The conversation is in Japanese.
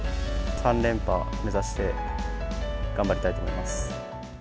３連覇目指して頑張りたいと思います。